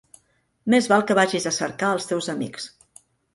Més val que vagis a cercar els teus amics.